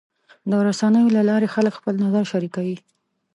د رسنیو له لارې خلک خپل نظر شریکوي.